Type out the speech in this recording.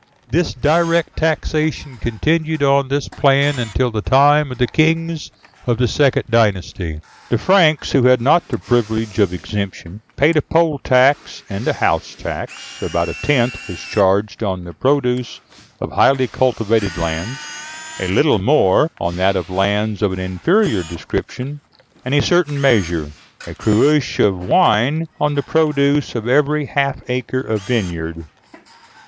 This direct taxation continued on this plan until the time of the kings of the second dynasty. The Franks, who had not the privilege of exemption, paid a poll tax and a house tax; about a tenth was charged on the produce of highly cultivated lands, a little more on that of lands of an inferior description, and a certain measure, a cruche, of wine on the produce of every half acre of vineyard.